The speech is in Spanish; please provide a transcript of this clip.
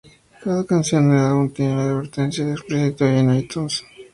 Cada canción del álbum tiene la advertencia de explícito en iTunes.